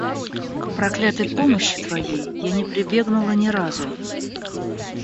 К проклятой помощи твоей Я не прибегнула ни разу.